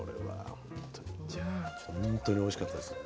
本当においしかったです。